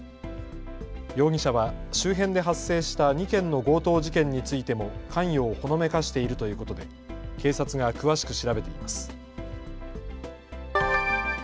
容疑者は周辺で発生した２件の強盗事件についても関与をほのめかしているということで警察が詳しく調べています。